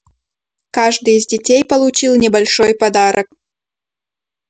Каждый из детей получил небольшой подарок.